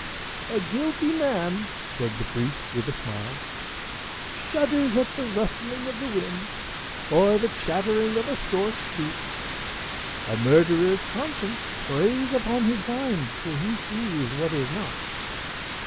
"A guilty man," said the priest, with a smile, "shudders at the rustling of the wind or the chattering of a stork's beak; a murderer's conscience preys upon his mind till he sees what is not.